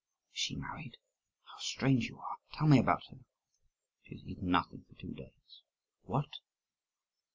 "Is she married? How strange you are! Tell me about her." "She has eaten nothing for two days." "What!"